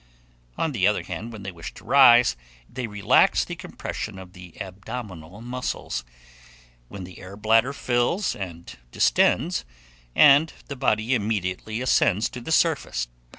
On the other hand, when they wish to rise, they relax the compression of the abdominal muscles, when the air bladder fills and distends, and the body immediately ascends to the surface.